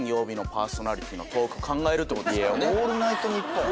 いや『オールナイトニッポン』？